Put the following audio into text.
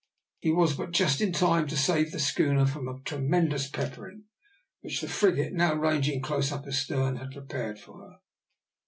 He was but just in time to save the schooner from a tremendous peppering, which the frigate, now ranging close up astern, had prepared for her.